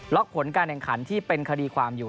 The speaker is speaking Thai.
ผลการแข่งขันที่เป็นคดีความอยู่